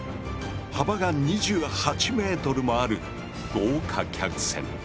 幅が２８ｍもある豪華客船。